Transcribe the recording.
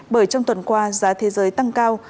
bởi trong tuần qua giá thế giới tăng cao